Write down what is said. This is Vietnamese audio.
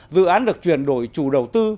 dự án được chuyển đổi chủ đầu tư